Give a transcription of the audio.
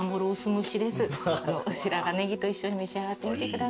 白髪ネギと一緒に召し上がってみてください。